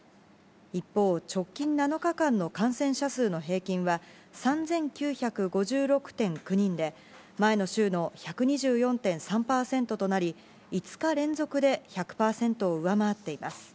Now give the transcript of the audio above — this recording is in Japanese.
一方、直近７日間の感染者数の平均は、３９５６．９人で、前の週の１２４．３％となり、５日連続で１００％を上回っています。